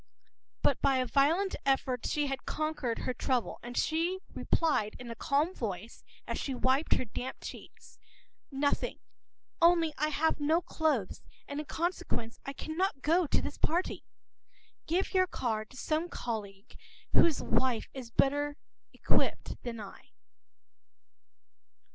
”But by a violent effort she had conquered her trouble, and she replied in a calm voice as she wiped her damp cheeks:—“Nothing. Only I have no clothes, and in consequence I cannot go to this party. Give your card to some colleague whose wife has a better outfit than I.